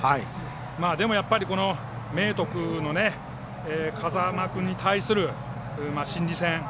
でもやっぱり、明徳の風間君に対する心理戦。